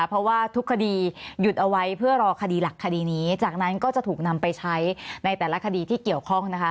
เพราะว่าทุกคดีหยุดเอาไว้เพื่อรอคดีหลักคดีนี้จากนั้นก็จะถูกนำไปใช้ในแต่ละคดีที่เกี่ยวข้องนะคะ